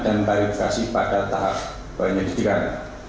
dan tarifikasi pada tahap penyelidikan